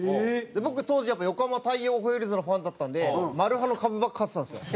僕当時やっぱ横浜大洋ホエールズのファンだったんでマルハの株ばっか買ってたんですよ。